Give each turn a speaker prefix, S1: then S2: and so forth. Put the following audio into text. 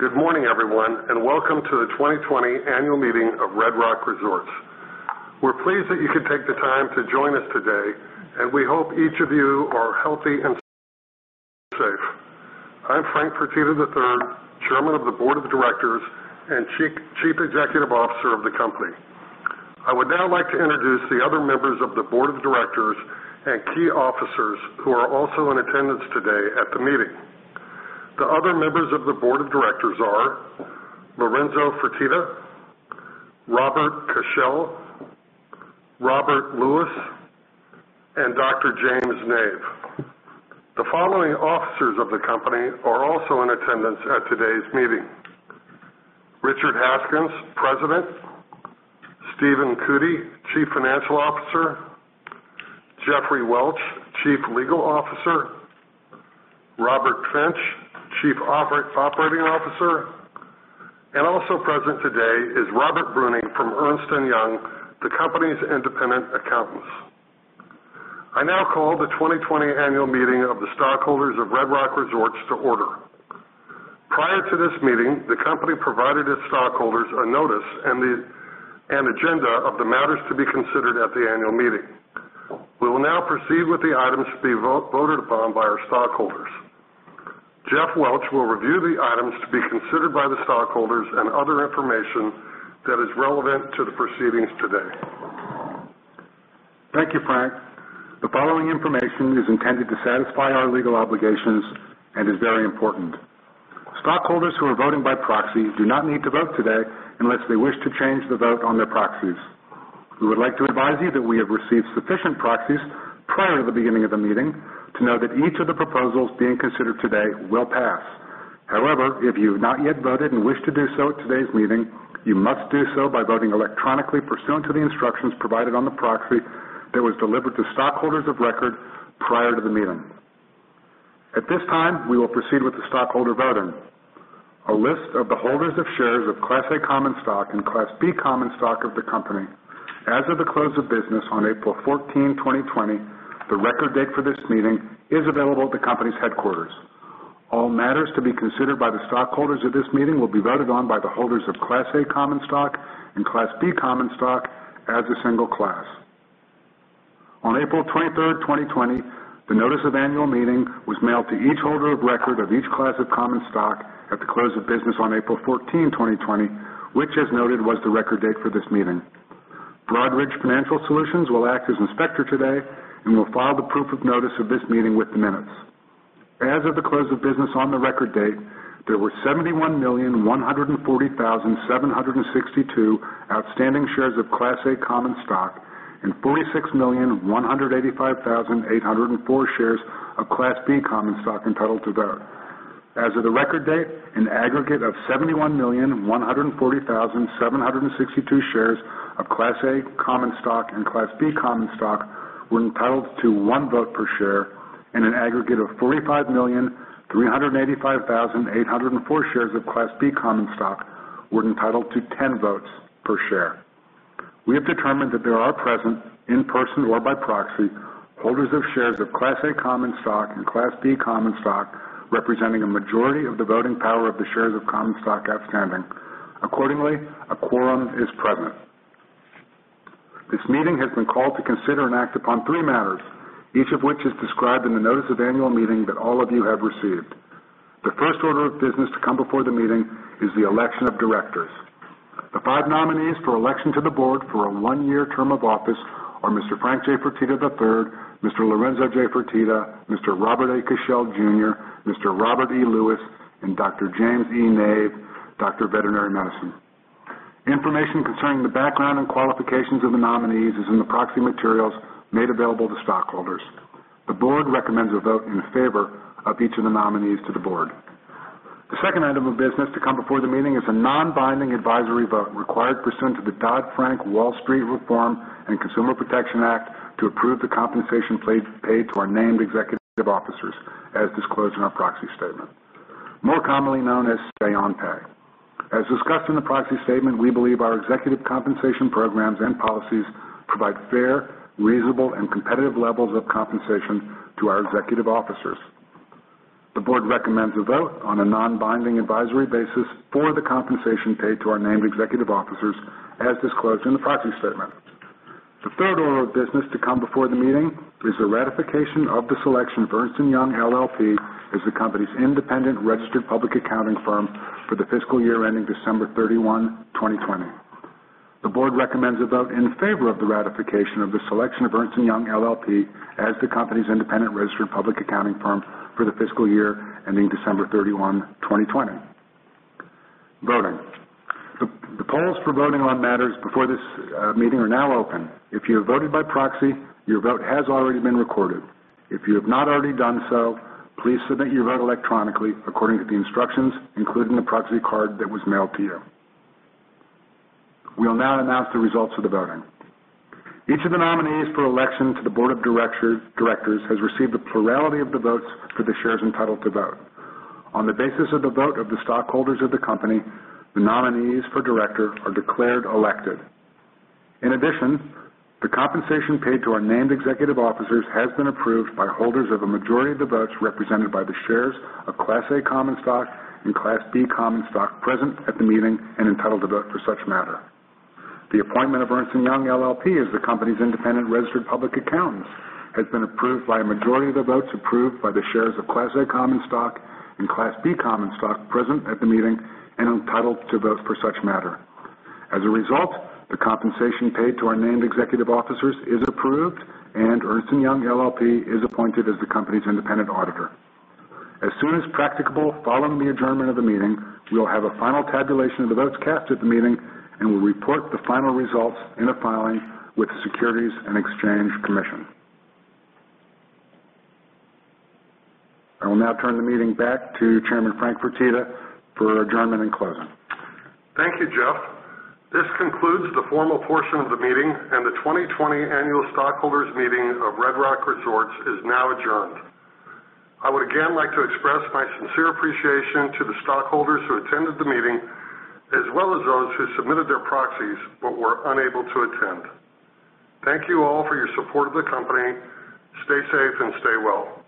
S1: Good morning, everyone, and welcome to the 2020 annual meeting of Red Rock Resorts. We're pleased that you could take the time to join us today, and we hope each of you are healthy and safe. I'm Frank Fertitta III, Chairman of the Board of Directors and Chief Executive Officer of the company. I would now like to introduce the other members of the Board of Directors and key officers who are also in attendance today at the meeting. The other members of the Board of Directors are Lorenzo Fertitta, Robert Cashell, Robert Lewis, and Dr. James Nave. The following officers of the company are also in attendance at today's meeting: Richard Haskins, President, Stephen Cootey, Chief Financial Officer, Jeffrey Welch, Chief Legal Officer, Robert Finch, Chief Operating Officer, and also present today is Robert Bruning from Ernst & Young, the company's independent accountants. I now call the 2020 annual meeting of the stockholders of Red Rock Resorts to order. Prior to this meeting, the company provided its stockholders a notice and an agenda of the matters to be considered at the annual meeting. We will now proceed with the items to be voted upon by our stockholders. Jeff Welch will review the items to be considered by the stockholders and other information that is relevant to the proceedings today.
S2: Thank you, Frank. The following information is intended to satisfy our legal obligations and is very important. Stockholders who are voting by proxy do not need to vote today unless they wish to change the vote on their proxies. We would like to advise you that we have received sufficient proxies prior to the beginning of the meeting to know that each of the proposals being considered today will pass. However, if you've not yet voted and wish to do so at today's meeting, you must do so by voting electronically pursuant to the instructions provided on the proxy that was delivered to stockholders of record prior to the meeting. At this time, we will proceed with the stockholder voting. A list of the holders of shares of Class A common stock and Class B common stock of the company as of the close of business on April 14th, 2020, the record date for this meeting, is available at the company's headquarters. All matters to be considered by the stockholders at this meeting will be voted on by the holders of Class A common stock and Class B common stock as a single class. On April 23rd, 2020, the notice of annual meeting was mailed to each holder of record of each class of common stock at the close of business on April 14th, 2020, which, as noted, was the record date for this meeting. Broadridge Financial Solutions will act as inspector today and will file the proof of notice of this meeting with the minutes. As of the close of business on the record date, there were 71,140,762 outstanding shares of Class A common stock and 46,185,804 shares of Class B common stock entitled to vote. As of the record date, an aggregate of 71,140,762 shares of Class A common stock and Class B common stock were entitled to one vote per share, and an aggregate of 45,385,804 shares of Class B common stock were entitled to 10 votes per share. We have determined that there are present, in person or by proxy, holders of shares of Class A common stock and Class B common stock, representing a majority of the voting power of the shares of common stock outstanding. Accordingly, a quorum is present. This meeting has been called to consider and act upon three matters, each of which is described in the notice of annual meeting that all of you have received. The first order of business to come before the meeting is the election of directors. The five nominees for election to the board for a one-year term of office are Mr. Frank J. Fertitta III, Mr. Lorenzo J. Fertitta, Mr. Robert A. Cashell Jr., Mr. Robert E. Lewis, and Dr. James E. Nave, Doctor of Veterinary Medicine. Information concerning the background and qualifications of the nominees is in the proxy materials made available to stockholders. The board recommends a vote in favor of each of the nominees to the board. The second item of business to come before the meeting is a non-binding advisory vote required pursuant to the Dodd-Frank Wall Street Reform and Consumer Protection Act to approve the compensation paid to our named executive officers as disclosed in our proxy statement, more commonly known as say on pay. As discussed in the proxy statement, we believe our executive compensation programs and policies provide fair, reasonable, and competitive levels of compensation to our executive officers. The board recommends a vote on a non-binding advisory basis for the compensation paid to our named executive officers, as disclosed in the proxy statement. The third order of business to come before the meeting is the ratification of the selection of Ernst & Young LLP as the company's independent registered public accounting firm for the fiscal year ending December 31st, 2020. The board recommends a vote in favor of the ratification of the selection of Ernst & Young LLP as the company's independent registered public accounting firm for the fiscal year ending December 31st, 2020. Voting. The polls for voting on matters before this meeting are now open. If you have voted by proxy, your vote has already been recorded. If you have not already done so, please submit your vote electronically according to the instructions included in the proxy card that was mailed to you. We will now announce the results of the voting. Each of the nominees for election to the Board of Directors has received a plurality of the votes for the shares entitled to vote. On the basis of the vote of the stockholders of the company, the nominees for director are declared elected. In addition, the compensation paid to our named executive officers has been approved by holders of a majority of the votes represented by the shares of Class A common stock and Class B common stock present at the meeting and entitled to vote for such matter. The appointment of Ernst & Young LLP as the company's independent registered public accountant has been approved by a majority of the votes approved by the shares of Class A common stock and Class B common stock present at the meeting and entitled to vote for such matter. As a result, the compensation paid to our named executive officers is approved and Ernst & Young LLP is appointed as the company's independent auditor. As soon as practicable following the adjournment of the meeting, we will have a final tabulation of the votes cast at the meeting and will report the final results in a filing with the Securities and Exchange Commission. I will now turn the meeting back to Chairman Frank Fertitta for adjournment and closing.
S1: Thank you, Jeff. This concludes the formal portion of the meeting, and the 2020 annual stockholders meeting of Red Rock Resorts is now adjourned. I would again like to express my sincere appreciation to the stockholders who attended the meeting, as well as those who submitted their proxies but were unable to attend. Thank you all for your support of the company. Stay safe and stay well.